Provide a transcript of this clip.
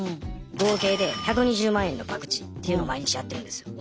合計で１２０万円の博打っていうのを毎日やってるんですよ。